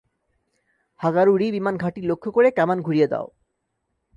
হাগারু রি বিমান ঘাঁটি লক্ষ্য করে কামান ঘুরিয়ে দাও!